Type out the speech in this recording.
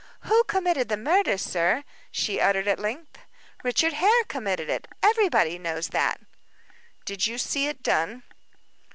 "Who committed the murder, sir?" she uttered at length. "Richard Hare committed it. Everybody knows that." "Did you see it done?"